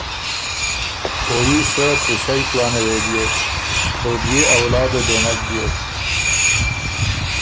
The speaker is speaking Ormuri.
او يي سۀ پُݭئ کلانه وې بیوک او بيې اولاده دې نک بیوک۔